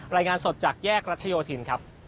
รายงานสดจากแยกรัชโยธินครับ